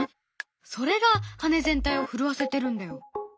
それが羽全体を震わせてるんだよ。